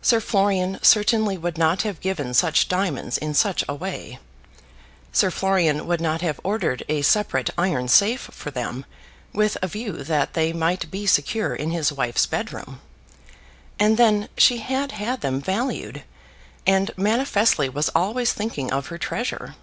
Sir Florian certainly would not have given such diamonds in such a way. Sir Florian would not have ordered a separate iron safe for them, with a view that they might be secure in his wife's bed room. And then she had had them valued, and manifestly was always thinking of her treasure.